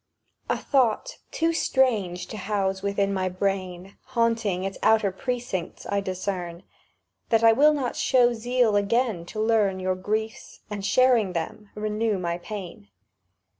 A thought too strange to house within my brain Haunting its outer precincts I discern: —That I will not show zeal again to learn Your griefs, and sharing them, renew my pain